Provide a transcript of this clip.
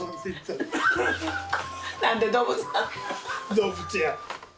動物やん。